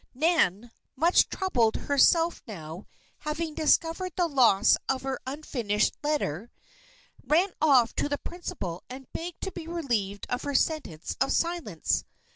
Nan, much troubled herself now, having discovered the loss of her unfinished letter, ran off to the principal and begged to be relieved of her sentence of silence.